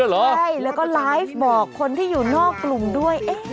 ใช่แล้วก็ไลฟ์บอกคนที่อยู่นอกกลุ่มด้วย